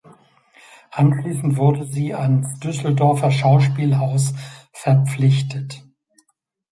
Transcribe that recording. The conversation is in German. Anschließend wurde sie ans Düsseldorfer Schauspielhaus verpflichtet.